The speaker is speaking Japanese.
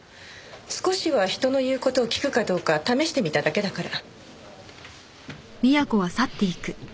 少しは人の言う事を聞くかどうか試してみただけだから。